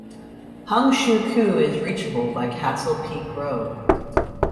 Hung Shui Kiu is reachable by Castle Peak Road.